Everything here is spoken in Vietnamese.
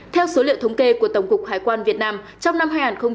theo số liệu thống kê của tổng cục hải quan việt nam trong năm hai nghìn một mươi chín